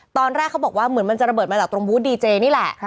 ตอนแรกเขาบอกว่าเหมือนมันจะระเบิดมาจากตรงบูธดีเจนี่แหละ